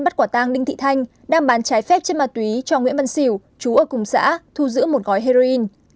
bắt quả tang đinh thị thanh đang bán trái phép chất ma túy cho nguyễn văn xỉu chú ở cùng xã thu giữ một gói heroin